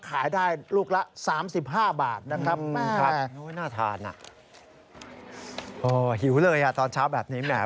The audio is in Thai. ขายได้ลูกละ๓๕บาทนะครับมาหิวเลยอ่ะตอนเช้าแบบนี้แม่